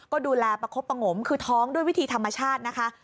ก็ดูแลประคบประงมคือท้องด้วยวิธีธรรมชาตินะคะ